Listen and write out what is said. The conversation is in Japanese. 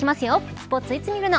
スポーツいつ見るの。